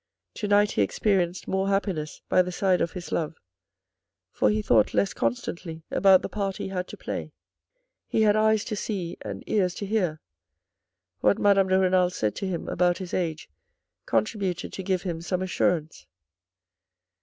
To night he experienced more happiness by the side of his love, for he thought less constantly about the part he had to play. He had eyes to see, and ears to hear. What Madame de Renal said to him about his age contributed to give him some assurance.